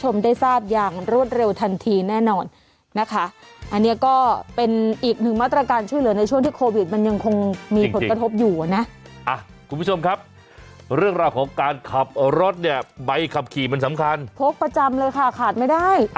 คุณผู้ชมครับเรื่องราวของการขับรถเนี่ยใบขับขี่มันสำคัญพกประจำเลยค่ะขาดไม่ได้